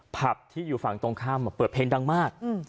ผับที่อยู่ฝั่งตรงข้ามเปิดเพลงดังมาก